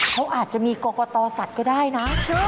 เขาอาจจะมีกรกตสัตว์ก็ได้นะ